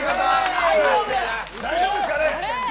大丈夫ですかね。